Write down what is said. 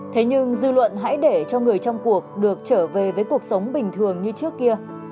thế nhưng dư luận hãy để cho người trong cuộc được trở về với cuộc sống bình thường như trước kia